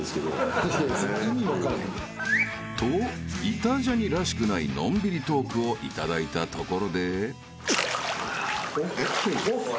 ［と『イタ×ジャニ』らしくないのんびりトークを頂いたところで］えっ？ＯＫ？